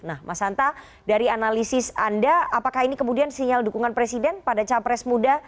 nah mas hanta dari analisis anda apakah ini kemudian sinyal dukungan presiden pada capres muda